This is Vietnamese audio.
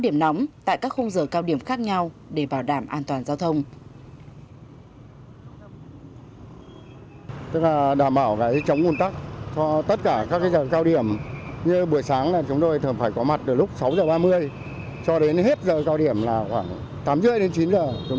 điểm nóng tại các khung giờ cao điểm khác nhau để bảo đảm an toàn giao thông